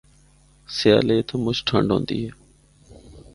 سیالے اِتھا مُچ ٹھنڈ ہوندے اے۔